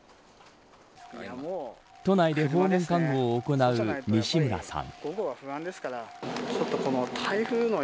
都内で訪問看護を行う西村さん。